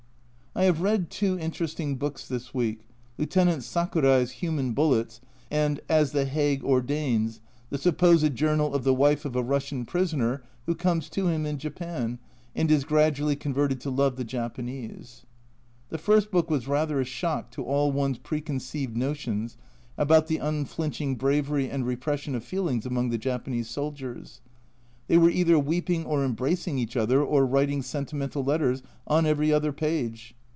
I have read two interesting books this week Lieutenant Sakurai's Human Bullets and As the Hague Ordains, the supposed journal of the wife of a Russian prisoner who comes to him in Japan, and is gradually converted to love the Japanese. The first book was rather a shock to all one's preconceived notions about the unflinching bravery and repression of feelings among the Japanese soldiers ! They were either weeping or embracing each other or writing sentimental letters on every other page.